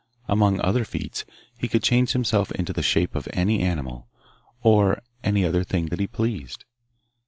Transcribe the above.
Among other feats, he could change himself into the shape of any animal, or any other thing that he pleased.